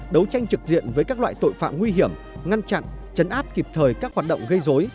đấu tranh trực diện với các loại tội phạm nguy hiểm ngăn chặn chấn áp kịp thời các hoạt động gây dối